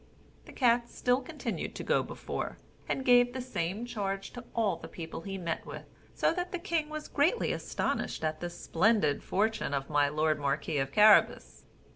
The cat still continued to go before, and gave the same charge to all the people he met with; so that the king was greatly astonished at the splendid fortune of my lord marquis of Carabas.